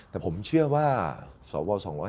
แต่ผมเชื่อว่าสว๒๕๖